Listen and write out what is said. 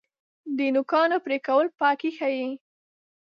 د نوکانو پرې کول پاکي ښیي.